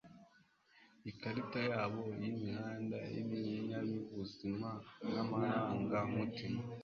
ikarita yabo y'imihanda y'ibinyabuzima n'amarangamutima